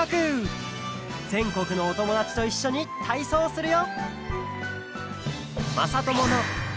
ぜんこくのおともだちといっしょにたいそうをするよ！